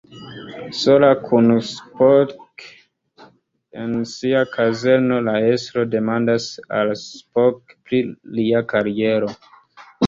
Sola kun Spock en sia kazerno, la estro demandas al Spock pri lia kariero.